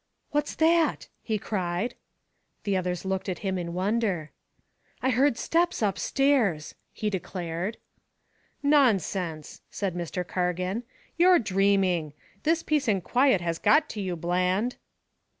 "What's that?" he cried. The others looked at him in wonder. "I heard steps up stairs," he declared. "Nonsense," said Mr. Cargan, "you're dreaming. This peace and quiet has got to you, Bland."